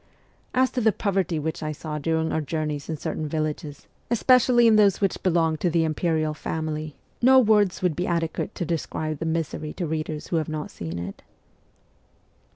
As to the poverty which I saw during our journeys in certain villages, especially in those which belonged to the im 70 MEMOIRS OF A REVOLUTIONIST perial family, 110 words would be adequate to describe tbe misery to readers who have not seen it.